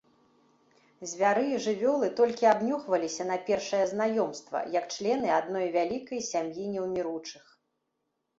Звяры і жывёлы толькі абнюхваліся на першае знаёмства, як члены адной вялікай сям'і неўміручых.